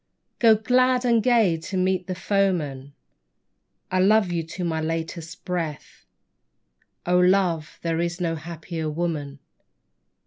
Go glad and gay to meet the foeman, I love you to my latest breath ; Oh, love, there is no happier woman.